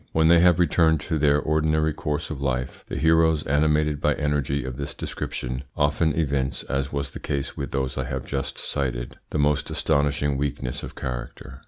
When they have returned to their ordinary course of life the heroes animated by energy of this description often evince, as was the case with those I have just cited, the most astonishing weakness of character.